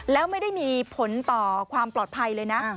แล้วไม่ได้มีผลต่อความปลอดภัยเลยนะ